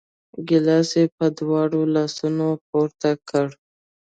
ګیلاس یې په دواړو لاسو پورته کړ!